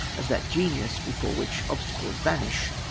Of that genius before tvhicli obstacles vanish